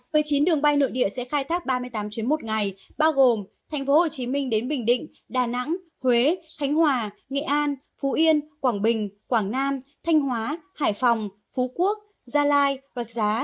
với chín đường bay nội địa sẽ khai thác ba mươi tám chuyến một ngày bao gồm thành phố hồ chí minh đến bình định đà nẵng huế khánh hòa nghệ an phú yên quảng bình quảng nam thanh hóa hải phòng phú quốc gia lai rạch giá